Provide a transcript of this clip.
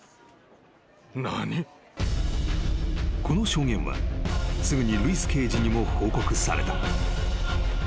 ［この証言はすぐにルイス刑事にも報告された］